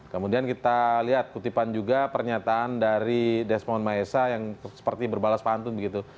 kemudian kita lihat kutipan juga pernyataan dari desmond maesa yang seperti berbalas pantun begitu